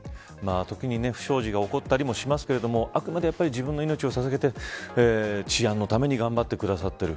時に不祥事が起こったりもしますけれどもあくまで、自分の命をささげて治安の維持のために頑張ってくださっている。